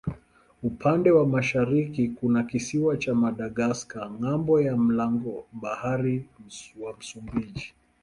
Upande wa mashariki kuna kisiwa cha Madagaska ng'ambo ya mlango bahari wa Msumbiji.